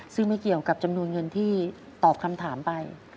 ซึ่งไม่เกี่ยวกับจำนวนเงินที่ตอบคำถามไป